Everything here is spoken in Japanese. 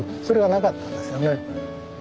それがなかったんですよね。